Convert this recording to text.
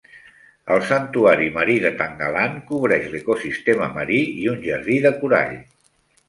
El santuari marí de Tangalan cobreix l'ecosistema marí i un jardí de corall.